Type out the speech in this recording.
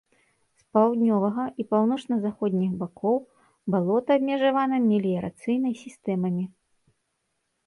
З паўднёвага і паўночна-заходніх бакоў балота абмежавана меліярацыйнай сістэмамі.